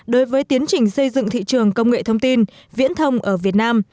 đối với tiến trình xây dựng thị trường công nghệ thông tin viễn thông ở việt nam